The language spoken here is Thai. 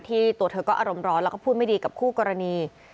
ตัวเธอก็อารมณ์ร้อนแล้วก็พูดไม่ดีกับคู่กรณี